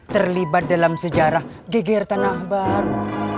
terlibat dalam sejarah geger tanah baru